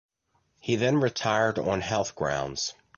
He then retired on health grounds.